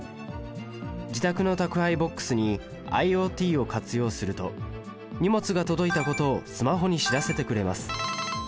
自宅の宅配ボックスにＩｏＴを活用すると荷物が届いたことをスマホに知らせてくれます。